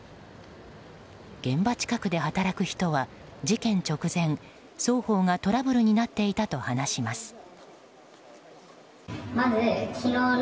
現場近くで働く人は、事件直前双方がトラブルになっていたと話します。